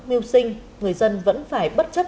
mưu sinh người dân vẫn phải bất chấp